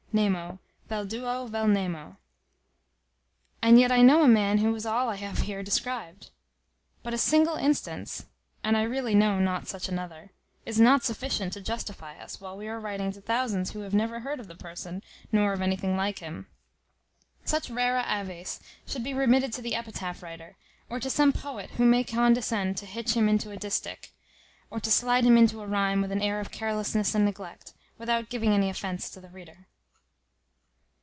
nemo; Vel duo, vel nemo;_ and yet I know a man who is all I have here described. But a single instance (and I really know not such another) is not sufficient to justify us, while we are writing to thousands who never heard of the person, nor of anything like him. Such rarae aves should be remitted to the epitaph writer, or to some poet who may condescend to hitch him in a distich, or to slide him into a rhime with an air of carelessness and neglect, without giving any offence to the reader.